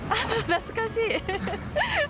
懐かしい。